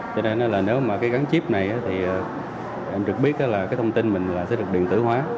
cho nên là nếu mà cái gắn chip này thì em được biết là cái thông tin mình là sẽ được điện tử hóa